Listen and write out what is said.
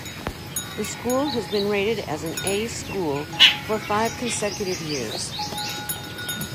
The school has been rated as an "A" school for five consecutive years.